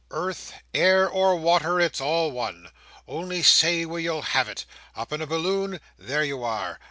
Earth, air, or water. It's all one. Only say where you'll have it. Up in a balloon? There you are.